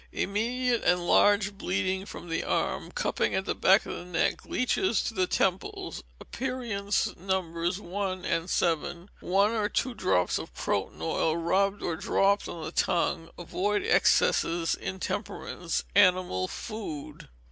Immediate and large bleeding from the arm, cupping at the back of the neck, leeches to the temples, aperients Nos. 1 and 7, one or two drops of croton oil rubbed or dropped on the tongue. Avoid excesses, intemperance, animal food.